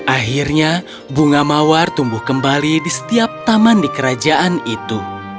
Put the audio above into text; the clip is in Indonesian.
akhirnya bunga mawar tumbuh kembali di setiap taman di kerajaan itu